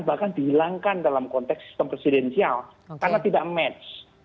bahkan dihilangkan dalam konteks sistem presidensial karena tidak match